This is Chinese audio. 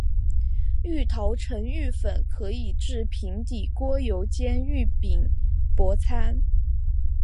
芋头成芋粉可以制平底锅油煎芋饼薄餐。